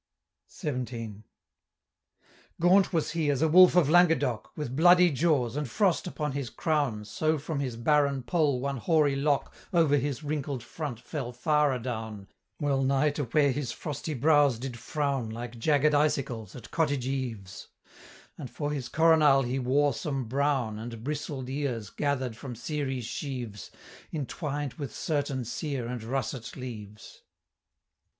XVII. "Gaunt was he as a wolf of Languedoc, With bloody jaws, and frost upon his crown So from his barren poll one hoary lock Over his wrinkled front fell far adown, Well nigh to where his frosty brows did frown Like jagged icicles at cottage eaves; And for his coronal he wore some brown And bristled ears gather'd from Ceres' sheaves, Entwined with certain sere and russet leaves."